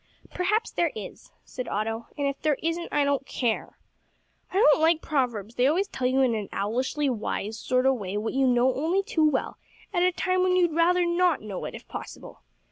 "Perhaps there is," said Otto, "and if there isn't, I don't care. I don't like proverbs, they always tell you in an owlishly wise sort o' way what you know only too well, at a time when you'd rather not know it if possible.